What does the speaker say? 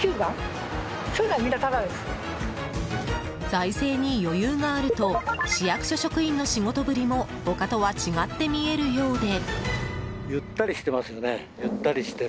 財政に余裕があると市役所職員の仕事ぶりも他とは違って見えるようで。